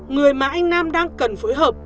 người mà anh nam đang cần phối hợp